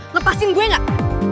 lepasin gue gak